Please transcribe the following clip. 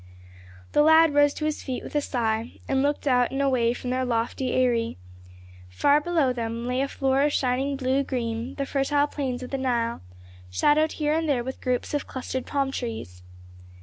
The lad rose to his feet with a sigh, and looked out and away from their lofty eyrie. Far below them lay a floor of shining blue green, the fertile plains of the Nile, shadowed here and there with groups of clustered palm trees.